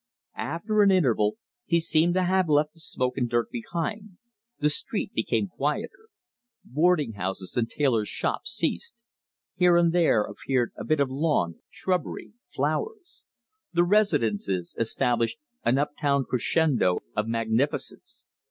After an interval he seemed to have left the smoke and dirt behind. The street became quieter. Boarding houses and tailors' shops ceased. Here and there appeared a bit of lawn, shrubbery, flowers. The residences established an uptown crescendo of magnificence.